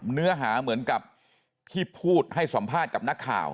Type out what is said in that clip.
เนื้อหาเหมือนกับที่พูดให้สัมภาษณ์กับนักข่าว